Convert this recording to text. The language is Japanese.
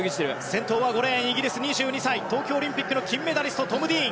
先頭は５レーンイギリス、２２歳東京オリンピックの金メダリストトム・ディーン。